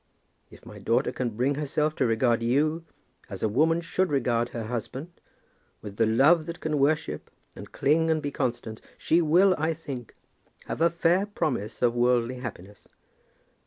If my daughter can bring herself to regard you, as a woman should regard her husband, with the love that can worship and cling and be constant, she will, I think, have a fair promise of worldly happiness.